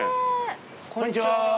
こんにちは。